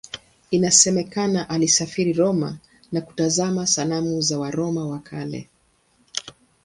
Inasemekana alisafiri Roma na kutazama sanamu za Waroma wa Kale.